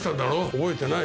覚えてない。